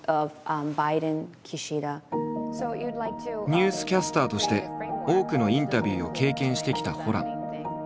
ニュースキャスターとして多くのインタビューを経験してきたホラン。